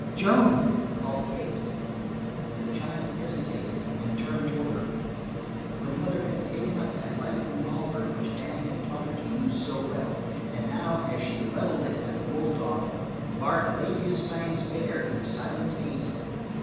"Joan!" called Kate. The child hesitated and turned toward her. Her mother had taken up that light revolver which Dan had taught her to use so well, and now, as she leveled it at the wolf dog, Bart laid his fangs bare in silent hate.